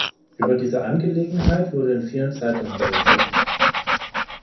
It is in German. Über diese Angelegenheit wurde in vielen Zeitungen berichtet.